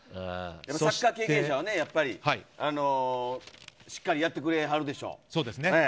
サッカー経験者は、やっぱりしっかりやってくれはるでしょ。